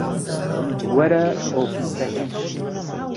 وەرە ئۆفیسەکەم.